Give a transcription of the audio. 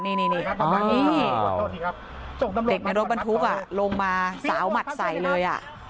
นี่เด็กในรถบรรทุกลงมาสาวหมัดใส่เลย